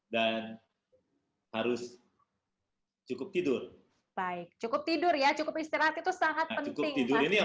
dan harus cukup tidur baik cukup tidur ya cukup istirahat itu sangat penting cukup tidur ini yang